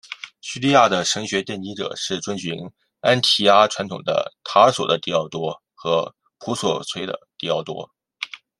叙利亚的神学奠基者是遵循安提阿传统的塔尔索的狄奥多和摩普绥的狄奥多。